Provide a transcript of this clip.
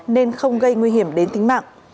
nên không gây nguy hiểm đến tính mạng